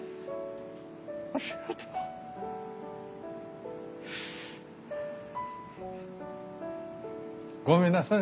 ありがとう。ごめんなさい。